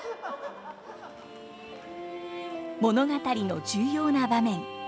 物語の重要な場面